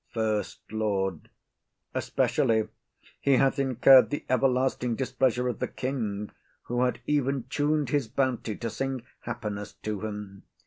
SECOND LORD. Especially he hath incurred the everlasting displeasure of the king, who had even tun'd his bounty to sing happiness to him.